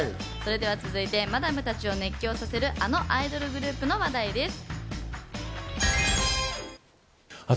続いてはマダムたちを熱狂させるあのアイドルグループの話題です。